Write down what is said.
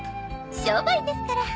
商売ですから。